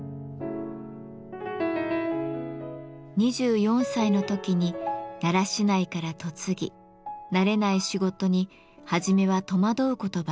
２４歳の時に奈良市内から嫁ぎ慣れない仕事にはじめは戸惑うことばかりだったといいます。